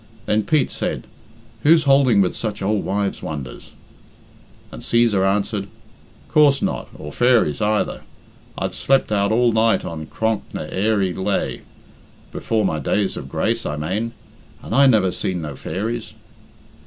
Then Pete said, "Whose houlding with such ould wife's wonders?" And Cæsar answered, "Coorse not, or fairies either. I've slept out all night on Cronk ny airy Lhaa before my days of grace, I mane and I never seen no fairies."